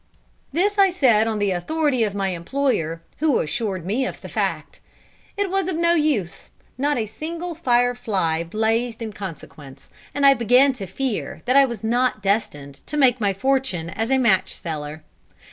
This I said on the authority of my employer, who assured me of the fact. It was of no use; not a single "fire fly" blazed in consequence, and I began to fear that I was not destined to make my fortune as a match seller.